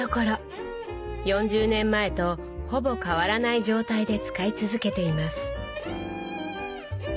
４０年前とほぼ変わらない状態で使い続けています。